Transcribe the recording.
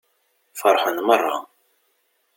Feṛḥen meṛṛa.